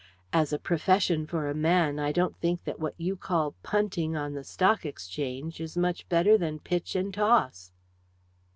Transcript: As a profession for a man, I don't think that what you call 'punting' on the Stock Exchange is much better than pitch and toss."